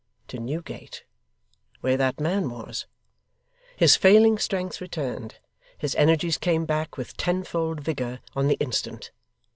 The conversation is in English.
To Newgate! where that man was! His failing strength returned, his energies came back with tenfold vigour, on the instant.